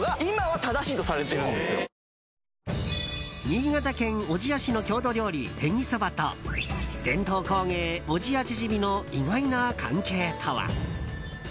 新潟県小千谷市の郷土料理へぎそばと伝統工芸・小千谷縮の意外な関係とは。